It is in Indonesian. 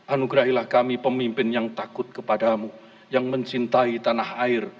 anugerahilah kami pemimpin yang takut kepadamu yang mencintai tanah air